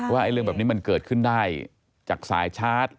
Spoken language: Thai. ว่าเรื่องแบบนี้มันเกิดขึ้นได้จากสายชาร์จ